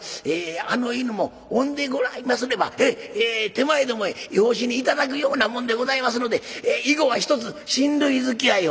あの犬も雄でござりますれば手前どもへ養子に頂くようなもんでございますので以後はひとつ親類づきあいを」。